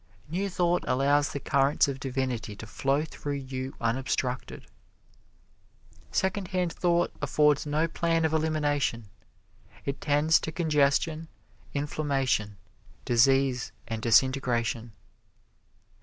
New Thought allows the currents of divinity to flow through you unobstructed. Secondhand Thought affords no plan of elimination; it tends to congestion, inflammation, disease and disintegration.